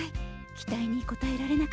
期待に応えられなくて。